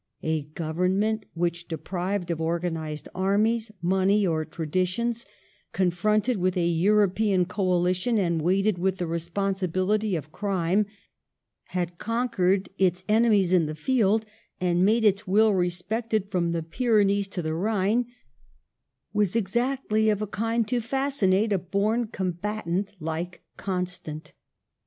A government which, deprived of organized armies, money, or traditions, confront ed with a European coalition, and weighted with the responsibility of crime, had conquered its ene mies in the field, and made its will respected from the Pyrenees to the Rhine, was exactly of a kind to fascinate a born combatant like Constant.